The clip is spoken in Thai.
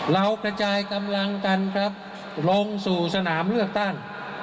กระจายกำลังกันครับลงสู่สนามเลือกตั้ง